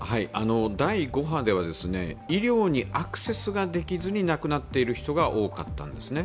第５波では医療にアクセスできずに亡くなる方が多かったんですね。